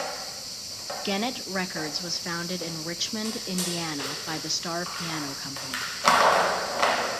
Gennett Records was founded in Richmond, Indiana, by the Starr Piano Company.